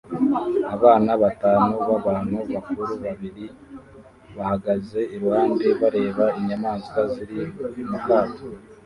Abana batanu n'abantu bakuru babiri bahagaze iruhande bareba inyamaswa ziri mu kato